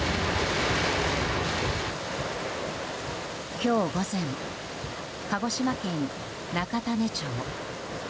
今日午前鹿児島県中種子町。